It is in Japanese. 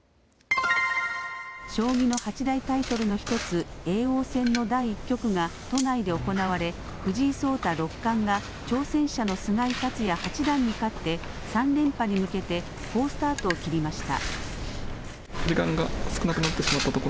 将棋の八大タイトルの１つ叡王戦の第１局が都内で行われ藤井聡太六冠が挑戦者の菅井竜也八段に勝って３連覇に向けて好スタートを切りました。